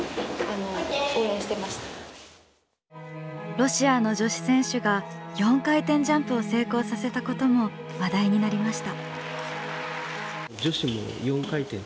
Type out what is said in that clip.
ロシアの女子選手が４回転ジャンプを成功させたことも話題になりました。